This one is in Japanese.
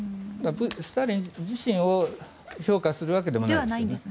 スターリン自身を評価するわけじゃないんですね。